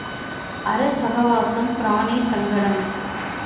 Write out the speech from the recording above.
அற்ப சகவாசம் பிராண சங்கடம்.